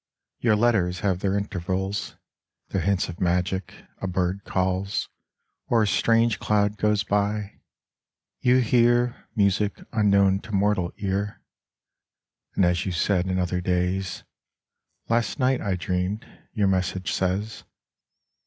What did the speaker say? Your letters have their intervals, Their hints of magic : a bird calls Or a strange cloud goes by. You hear Music unknown to mortal ear, And as you said in other days, " Last night I dreamed," your message says.